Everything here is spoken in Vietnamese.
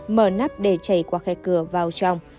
mở nắp để chạy qua khe cửa vào trong